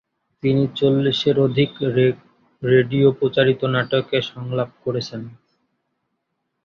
তিনি চল্লিশের অধিক রেডিও প্রচারিত নাটকে সংলাপ করেছেন।